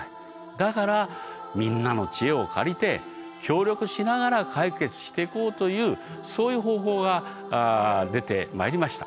だからみんなの知恵を借りて協力しながら解決していこうというそういう方法が出てまいりました。